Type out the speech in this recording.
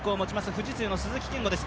富士通の鈴木健吾です。